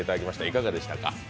いかがでしたか？